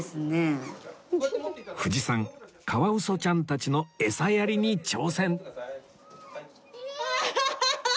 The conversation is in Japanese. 藤さんカワウソちゃんたちのエサやりに挑戦ああ！